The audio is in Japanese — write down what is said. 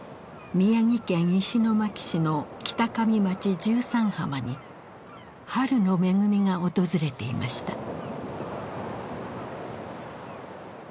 宮城県石巻市の北上町十三浜に春の恵みが訪れていました。